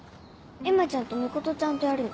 絵麻ちゃんと美琴ちゃんとやるの。